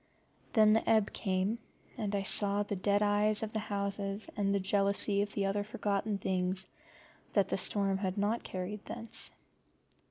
Then the ebb came, and I saw the dead eyes of the houses and the jealousy of the other forgotten things that the storm had not carried thence.